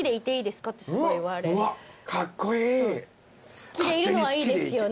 「好きでいるのはいいですよね」？